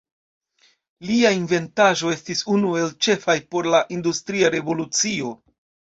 Lia inventaĵo estis unu el ĉefaj por la Industria Revolucio.